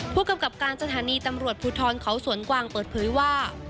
ผู้กำกับการสถานีตำรวจภูทรเขาสวนกวางเปิดเผยว่า